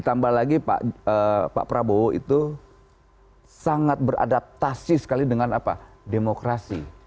tak ada lagi pak prabowo itu sangat beradaptasi sekali dengan apa demokrasi